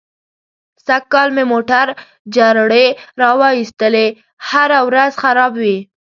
سږ کال مې موټر جرړې را و ایستلې. هره ورځ خراب وي.